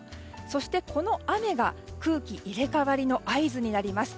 そして、この雨が空気入れ替わりの合図になります。